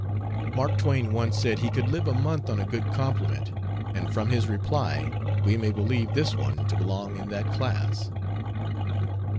Mark Twain once said he could live a month on a good compliment, and from his reply, we may believe this one to belong in, that class.